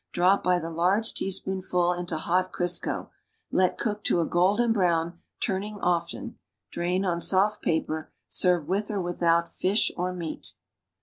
Drop bv the large teaspoonful into hot Crisco; let cook to a golden bro\\ n, turning often; drain on soft pa[)er. Serve with or without fish or meat.